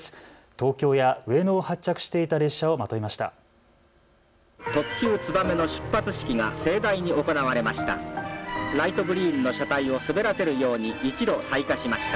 東京や上野を発着していた列車をまとめました。